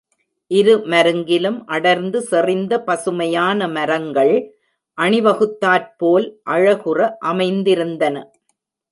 இருமருங்கிலும் அடர்ந்து செறிந்த பசுமையான மரங்கள் அணிவகுத்தாற்போல் அழகுற அமைந்திருந்தன.